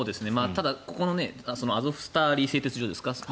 ただ、ここのアゾフスターリ製鉄所ですか。